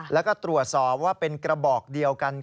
แล้วก็ตรวจสอบว่าเป็นกระบอกเดียวกัน